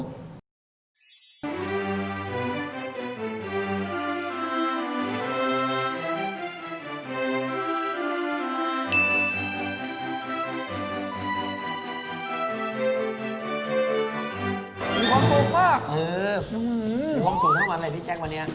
มีความสุขมากมีความสุขทั้งวันเลยพี่แจ๊ควันนี้